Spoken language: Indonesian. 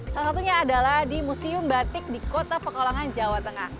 salah satunya adalah di museum batik di kota pekalongan jawa tengah